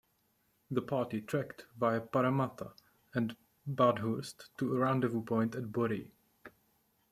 The party trekked via Parramatta and Bathurst to a rendezvous point at Boree.